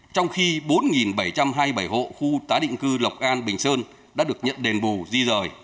trong khi bốn bảy trăm hai mươi bảy hộ khu tái định cư lộc an bình sơn đã được nhận đền bù di rời